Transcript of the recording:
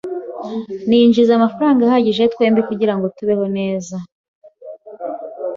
Ninjiza amafaranga ahagije twembi kugirango tubeho neza.